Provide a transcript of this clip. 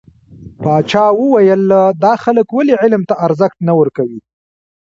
پاچا وويل: دا خلک ولې علم ته ارزښت نه ورکوي .